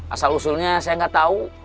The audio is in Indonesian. asal usulnya saya gak tau